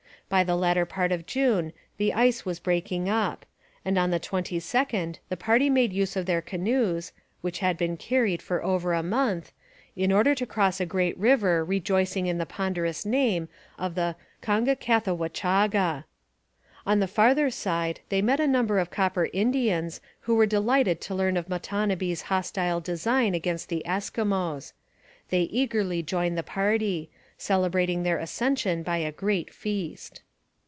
By the latter part of June the ice was breaking up, and on the 22nd the party made use of their canoes (which had been carried for over a month) in order to cross a great river rejoicing in the ponderous name of the Congecathawachaga. On the farther side, they met a number of Copper Indians who were delighted to learn of Matonabbee's hostile design against the Eskimos. They eagerly joined the party, celebrating their accession by a great feast.